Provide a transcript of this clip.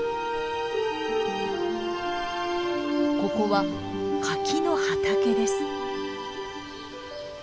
ここは柿の畑です。